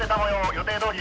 予定どおり。